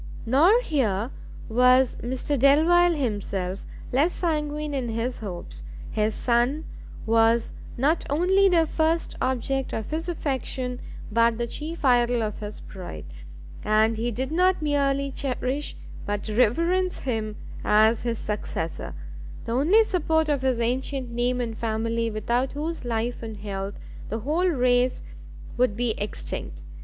Nor here was Mr Delvile himself less sanguine in his hopes; his son was not only the first object of his affection, but the chief idol of his pride, and he did not merely cherish but reverence him as his successor, the only support of his ancient name and family, without whose life and health the whole race would be extinct.